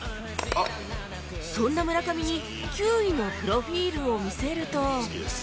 そんな村上に休井のプロフィールを見せると